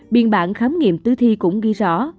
biên bản khám nghiệm tử thi cũng ghi rõ